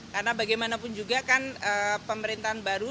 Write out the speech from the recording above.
karena bagaimanapun juga kan pemerintahan baru